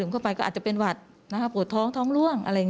ก็อาจไปเป็นหวาดโผดท้องท้องร่วง